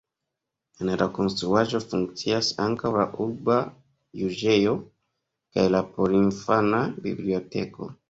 En la konstruaĵo funkcias ankaŭ la urba juĝejo kaj la porinfana biblioteko.